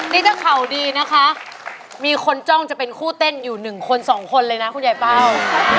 นี่ถ้าเข่าดีนะคะมีคนจ้องจะเป็นคู่เต้นอยู่๑คน๒คนเลยนะคุณยายเป้า